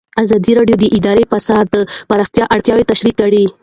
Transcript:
ازادي راډیو د اداري فساد د پراختیا اړتیاوې تشریح کړي.